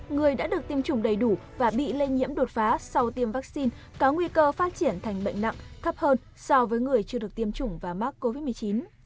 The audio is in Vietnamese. người đã được tiêm chủng đầy đủ và bị lây nhiễm đột phá sau tiêm vaccine có nguy cơ phát triển thành bệnh nặng thấp hơn so với người chưa được tiêm chủng và mắc covid một mươi chín